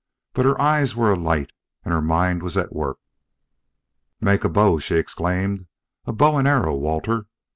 but her eyes were alight, and her mind was at work. "Make a bow!" she exclaimed. "A bow and arrow, Walter!